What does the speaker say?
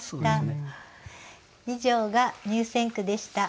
以上が入選句でした。